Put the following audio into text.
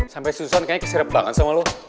sampe sususan kayaknya keserep banget sama lu